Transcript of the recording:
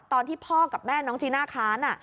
ตอนที่พ่อกับแม่น้องจีน่าค้าน